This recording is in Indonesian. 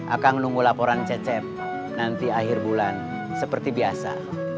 akang nunggu laporan cecep nanti akhir bulan seperti biasa